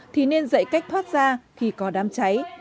thì nên dạy cách thoát ra khi có đám cháy